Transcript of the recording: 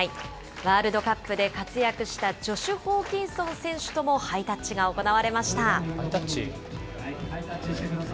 ワールドカップで活躍したジョシュホーキンソン選手ともハイタッハイタッチ。